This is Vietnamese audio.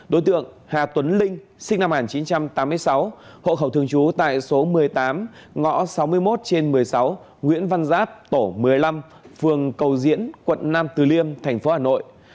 đối tượng hà tuấn linh sinh năm một nghìn chín trăm tám mươi sáu hộ khẩu thường trú tại số một mươi tám ngõ sáu mươi một trên một mươi sáu nguyễn văn giáp tổ một mươi năm phường cầu diễn quận nam từ liêm thành phố hà nội